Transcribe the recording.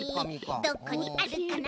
どこにあるかな？